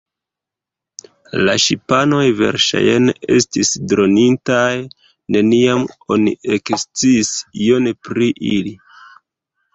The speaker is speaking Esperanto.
La ŝipanoj verŝajne estis dronintaj, neniam oni eksciis ion pri ili.